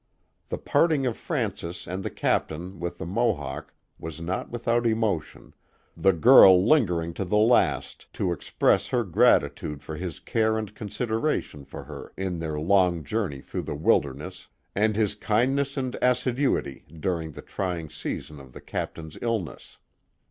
The parting of Frances and the captain with the Mohawk was not without emotion, the girl lingering to the last to express her gratitude for his care and consideration for her in their long journey through the wilderness and his kindness and assiduity during the trying season of the captain's illness.